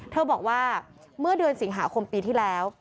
เธอบอกว่าเมื่อเดือนสิงหาคมปีที่แล้ว